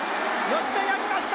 吉田やりました！